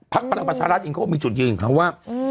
พักพลังประชารัฐอีกเขาบอกมีจุดยืนคำว่าอืม